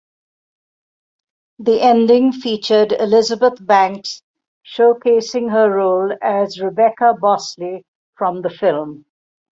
The ending featured Elizabeth Banks showcasing her role as Rebekah Bosley from the film.